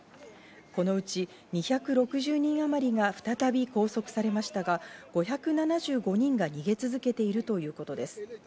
このうち２６０人あまりが再び拘束されましたが、５７５人が逃げ続けているということです。